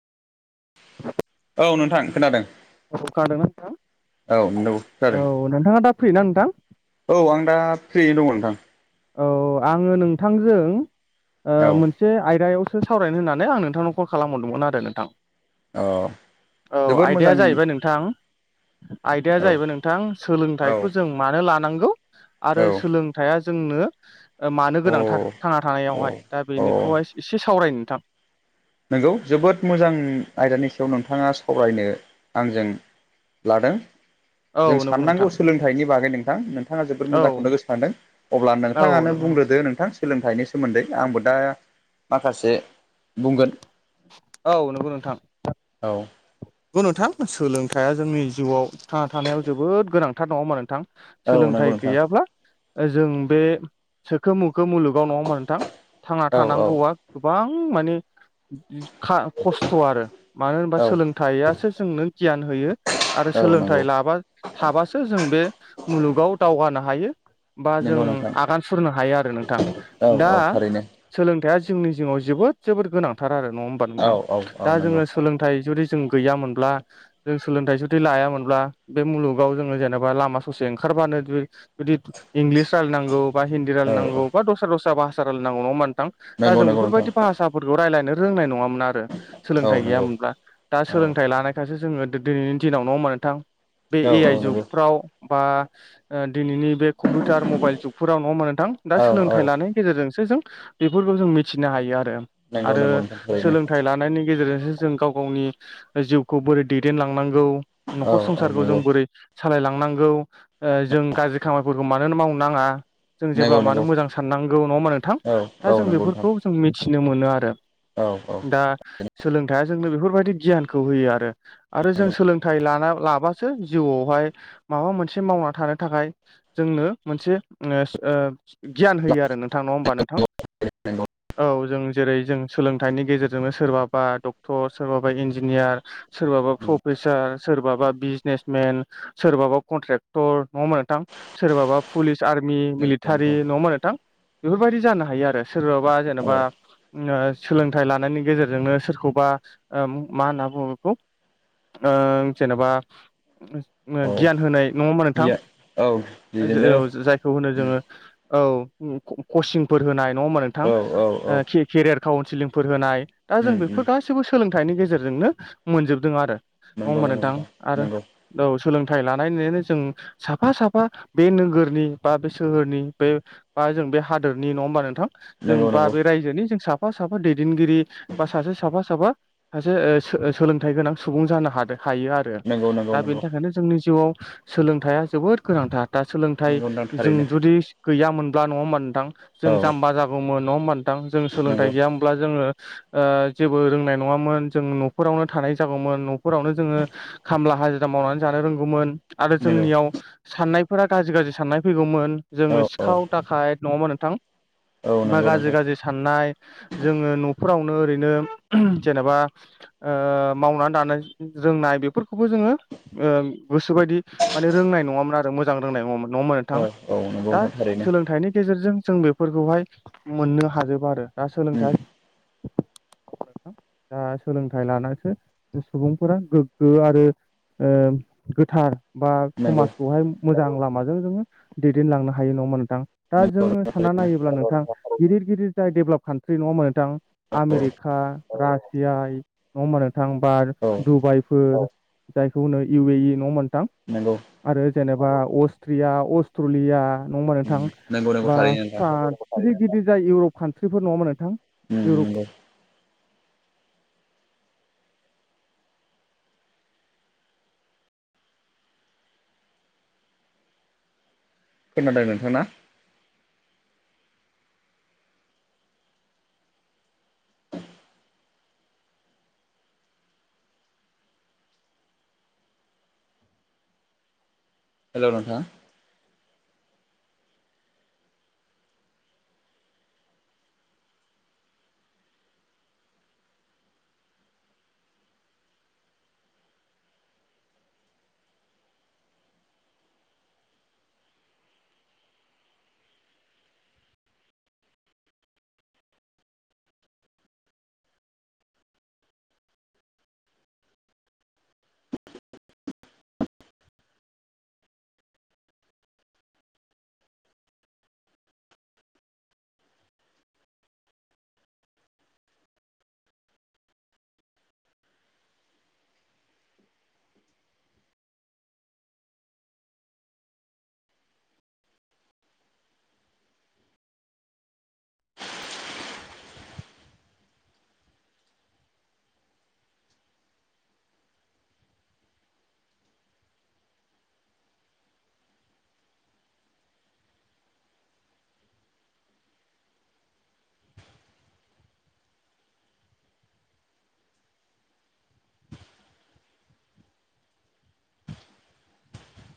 औ नोंथां खोनादों। औ खोनादों ना औ नोंगौ खोनादों नोंथां औ नोंथाङा दा फ्रिना नोंथां? औ आं दा फ्रियैनो दङ नोंथां। औ आङो नोंथांजों ओ औ मोन से आयदायावसो सावरायनो होननानै आं नोंथांनाव कल खालामहरदोंमोन आरो नोंथां। औ जोबोद मोजां आयदाया जाहैबाय नोंथां। आयदाया औ जाहैबाय नोंथां औ सोलोंथाइखौ जों मानो लानांगौ आरो औ सोलोंथाइया जोंनो ओ मानो अ गोनांथार थांना अ थानायावहाय दा बेनिखौहाय एसे सावरायनो नोंथां। नंगौ जोबोद मोजां आयदानि सायाव नोंथाङा सावरायनो आंजों लादों औ जों नंगौ साननांगौ नोंथां सोलोंथाइनि बागै नोंथां। नोंथाङा जोबोद औ मोजांखौनो गोसो खांदों अब्ला औ नोंथाङानो नंगौ बुंग्रोदो नोंथां? सोलोंथाइनि सोमोन्दै आंबो दा माखासे बुंगोन। औ नंगौ नोंथां। औ। औ नोंथां सोलोंथाइया जोंनि जिउआव थांना थानायाव जोबोद गोनांथार नङ मा नोंथां? औ नंगौ सोलोंथाइ नोंथां गैयाब्ला ओ जों बे सोखो मोखो मुलुगाव नङा होमबा नोंथां थांना औ औ थानांगौआ। गोबां माने खा खस्थ' आरो मानो होनबा औ सोलों थाइयासो जोंनो गियान होयो आरो औ नंगौ सोलोंथाइ लाबा थाबासो जों बे मुलुगाव दावगानो हायो। बा जों नंगौ नोंथां आगान सुरनो हायो आरो नोंथां। औ दा औ थारैनो सोलोंथाइया जोंनि जिउआव जोबोद जोबोद गोनांथार आरो नङा होमबा औ नोंथां। औ दा नंगौ जोङो सोलोंथाइ जुदि जों गैयामोनब्ला जों सोलोंथाइ जुदि लायामोनब्ला बे मुलुगाव जोङो जेनेबा लामा ससे ओंखारबानो जुदि जुदि इंग्लिस रायज्लायनांगौ। बा हिन्दि औ औ रायनांगौ बा दस्रा दस्रा भासा रायलायनांगौ नङा होमबा नोंथां दा नंगौ जों नंगौ नोंथां बेफोरबायदि भाषा फोरखौ रायलायनो रोंनाय नङामोन आरो औ सोलोंथाय नंगौ गोयामोनब्ला औ लानायखायासो जोङो दो दो दोनैनि दिनाव नङ होमबामा नोंथां बे औ ए औ आइ नंगौ जुगफ्राव। बा ओ दिनैनि बे कम्पिउटार मबाइल जुगफोराव नङाहोमबा नोंथां दा औ औ सोलोंथाइ लानाय। गेजेरजोंसो जों बेफोरखौ जों मिथिनो हायो आरो। नंगौ आरो नंगौ नोंथां थारैनो सोलोंथाइ लानायनि गेजेरजोंसो जों गाव गावनि। जिउखौ बोरै दैदेनलांनांगौ औ न'खर औ संसारखौ जों नंगौ बोरै। सालायलांनांगौ ओ जों गाज्रि खामानिफोरखौ मानोनो मावनो नाङा। जों नंगौ जेब्ला नंगौ मानो मोजां साननांगौ नङा नोंथां औ औ दा जों नंगौ नोंथां बेफोरखौ जों मिथिनो मोनो आरो। औ औ दा सोलोंथायाइया जोंनो बेफोरबायदि गियानखौ होयो आरो। आरो जों सोलोंथाइ लाना लाबासो जिउआवहाय माबा मोनसे मावना थानो थाखाय जोंनो मोनसे ओनोस ओ गियान होयो आरो नोंथां नङा होमबा नोंथां। नंगौ औ जों जेरै जों सोलोंथाइनि गेजेरजोंनो सोरबाबा डक्टर सोरबा सोरा इन्जिनियार सोरबाबा प्रफेसार सोरबाबा बिजनेसमेन सोरबाबा कन्ट्रेक्टर नङा मोन नोंथां सोरबाबा पुलिस आर्मि नंगौ मिलिटारि नोंथां नङ माथां बेफोरबायदि जानो हायो आरो सोरबाबा जेनेबा औ सोलोंथाइ लानायनि गेजेरजोंनो सोरखौबा मा होनना बुङो बेखौ जेनेबा औ गियान होनाय नङ होमबा नोंथां गैया औ बिदिनो जायखौ होनो जोङो औ कचिंफोर होनाय नङा होमबा नोंथां। औ औ औ केरियार काउन्सिलिंफोर होनाय दा जों बेफोर नंगौ गाैबो सोलोंथाइनि गेजेरजोंनो मोनजोबदों आरो। नङा होमबा नंगौ नोंथां आरो नंगौ औ सोलोंथाइ लानायनो जों साफा साफा बे नोगोरनि बा बे सोहोरनि बे बा जों बे हादोरनि नङा होमबा नोंथां। जों नंगौ बा नंगौ बे रायजोनि जों साफा साफा दैदेनगिरि बा सासे साफा साफा सासे सोलोंथाइ गोनां सुबुं जानो हादों हायो आरो नंगौ नंगौ दा बेनि नंगौ थाखायनो जोंनि जिउआव सोलोंथाइया जोबोद गोनांथार दा सोलोंथाइ नंगौ नोंथां जों थारैनो जुदि गैयामोनब्ला नङा होमबा नोंथां जों औ जाम्बा जागौमोन नङा होमबा नोंथां जों सोलोंथाइ नंगौ गैयामोन नङाब्ला जोङो ओ जेबो रोंनाय नङामोन जों न'रावनो थानाय जागौमोन न'फोरावनो जोङो खामला हाजिरा मावनानै जानो रोंगौमोन आरो नंगौ जोंनियाव साननायफोरा गाज्रि गाज्रि साननाय फैगौमोन औ जोङो औ सिखाव दाखाय नङा होमबा नोंथां औ होमबा नंगौ गाज्रि नोंथां गाज्रि साननाय जोङो न'फोरावनो ओरैनो जेनेबा ओ मावनानै दानो रोंनाय बेफोरखौबो जोङो गोसोोबायदि माने रोंनाय नङामोन आरो मोजां रोंनाय नङामोन। नङा होनबा औ नोंथां औ नंगौ दा नोंथां थारैनो सोलोंथाइनि गेजेरजों जोंङो फोरखौहाय मोननो हाजोबा आरो दा सोलोंथाइ दा सोलोंथाइ लानानैसो सुबुंफोरा गोग्गो आरो ओ गोथार बा नंगौ समाजखौहाय मोजां लामाजों जोङो दैदेनलांनो हायो नङा नोंथां दा नंगौ जोङो नंगौ सानना थारैनो नायोब्ला नोंथां गिदिर गिदिर जाय डेभेलप कान्ट्रि नङामोन नोंथां औ आमेरिका रासिया नङा होमबा नोंथां बा औ डुबाइफोर जायखौ होनो इउ इ इ नङा होनबा नोंथां। नंगौ। आरो जेनेबा अस्ट्रिया अस्ट्रलिया नङा होमबा नोंथां नंगौ नंगौ बा थारैनो नोंथां गिदिर गिदिर जा इउरप कान्ट्रिफोर नङा होमबा नोंथां। उम इउरप नंगौ खोनादों नोंथां ना। हेल' नोंथां